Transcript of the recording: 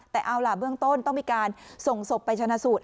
แต่เอาล่ะเบื้องต้นต้องมีการส่งศพไปชนะสูตร